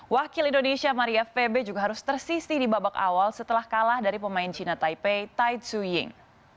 wakil indonesia maria febe juga harus tersisi di babak awal setelah kalah dari pemain cina taipei tai tsu ying